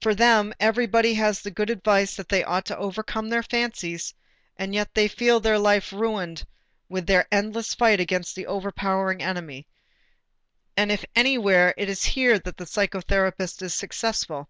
For them everybody has the good advice that they ought to overcome their fancies; and yet they feel their life ruined with their endless fight against the overpowering enemy. And if anywhere, it is here that the psychotherapist is successful.